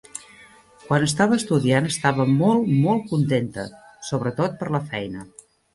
Quan estava estudiant estava molt, molt contenta, sobretot per la feina;